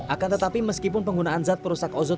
akan tetapi meskipun penggunaan zat perusak ozon